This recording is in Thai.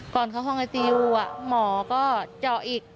ก่อนเข้าห้องไอซียูหมอก็เจาะอีก